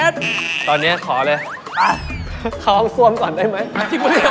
เต็ดตอนนี้ขอเลยไปข้าวส้วนก่อนได้ไหมจริงหรือยัง